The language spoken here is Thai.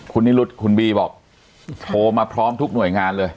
คุณนิรุธคุณบีบอกโทรมาพร้อมทุกหน่วยงานเลย